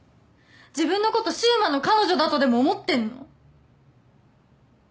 自分のこと柊磨の彼女だとでも思ってんの？